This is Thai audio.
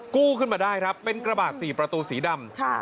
กู้ขึ้นมาได้ครับเป็นกระบาด๔ประตูสีดำ